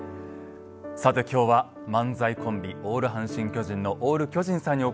さて今日は漫才コンビオール阪神・巨人のオール巨人さんにお越しいただきました。